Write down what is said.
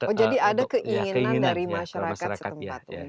oh jadi ada keinginan dari masyarakat setempat